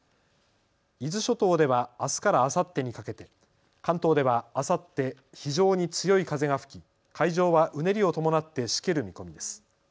伊豆諸島ではあすからあさってにかけて、関東ではあさって非常に強い風が吹き、海上はうねりを伴ってしける見込みです。